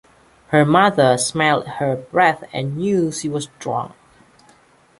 Her mother smelled her breath and knew she was drunk.